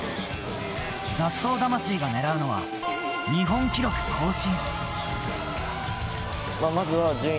雑草魂が狙うのは日本記録更新。